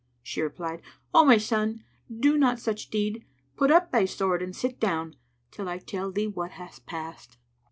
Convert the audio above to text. She replied, "O my son, do not such deed: put up thy sword and sit down, till I tell thee what hath passed."